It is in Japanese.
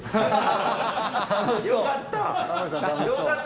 よかった！